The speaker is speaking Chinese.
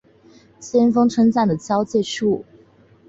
先锋村站的交界处。